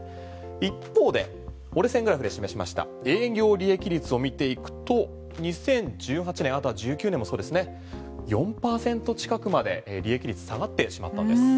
一方で折れ線グラフで示しました営業利益率を見ていくと２０１８年あとは１９年もそうですね４％近くまで利益率下がってしまったんです。